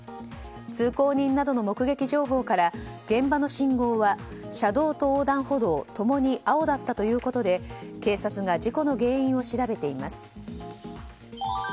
通行人などの目撃情報から現場の信号は車道と横断歩道共に青だったということで警察が事故の原因を調べています。